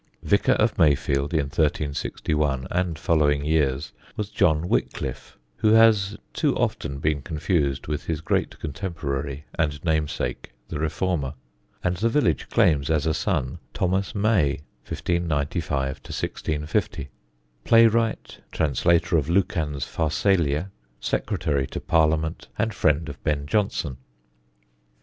Vicar of Mayfield in 1361 and following years was John Wickliffe, who has too often been confused with his great contemporary and namesake, the reformer. And the village claims as a son Thomas May (1595 1650), playwright, translator of Lucan's "Pharsalia," secretary to Parliament and friend of Ben Jonson.